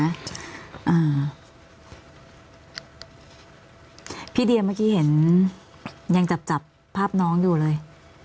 อ่าพี่เดียเมื่อกี้เห็นยังจับจับภาพน้องอยู่เลย